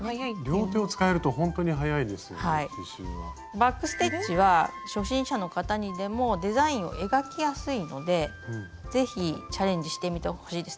バック・ステッチは初心者の方にでもデザインを描きやすいので是非チャレンジしてみてほしいです。